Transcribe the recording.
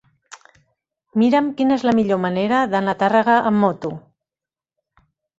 Mira'm quina és la millor manera d'anar a Tàrrega amb moto.